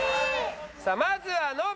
さあまずはノブ！